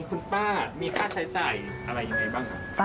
คุณป้ามีค่าใช้จ่ายอะไรยังไงบ้างครับ